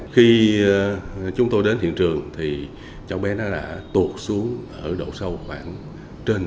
khi chúng tôi đến hiện trường thì cháu bé đã tuột xuống ở độ sâu khoảng trên tám m